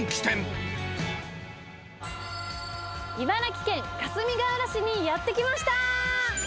茨城県かすみがうら市にやって来ました。